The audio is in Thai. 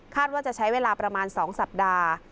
ว่าจะใช้เวลาประมาณ๒สัปดาห์